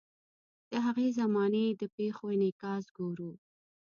د هغې زمانې د پیښو انعکاس ګورو.